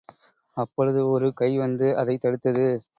அப்பொழுது, ஒரு கை வந்து அதைத் தடுத்தது.